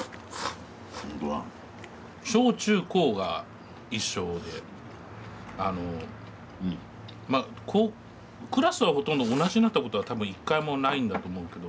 小中高が一緒でクラスはほとんど同じになった事は多分一回もないんだと思うけど。